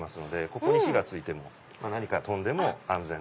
ここに火が付いても何か飛んでも安全。